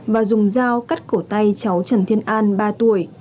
và dùng dao cắt cổ tay cháu trần thiên an ba tuổi